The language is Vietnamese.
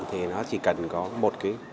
thì nó chỉ cần có một cái